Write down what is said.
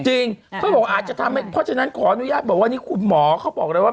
เขาบอกอาจจะทำให้เพราะฉะนั้นขออนุญาตบอกว่านี่คุณหมอเขาบอกเลยว่า